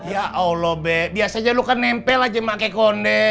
ya allah be biasanya lu kan nempel aja emak kekonde